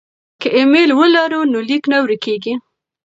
که ایمیل ولرو نو لیک نه ورکيږي.